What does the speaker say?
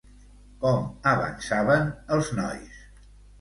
Com avançaven els nois?